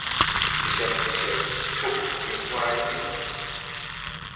Gecɛmgecɛm coʼ je moray liŋ.